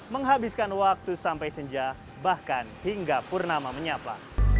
menghabiskan waktu sampai senja bahkan hingga purnama menyapa